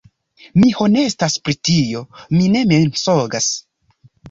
Mi honestas pri tio; mi ne mensogas